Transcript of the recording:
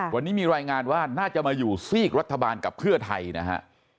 วันนี้มีรายงานว่าน่าจะมาอยู่ซีกรัฐบาลกับเพื่อไทยนะฮะ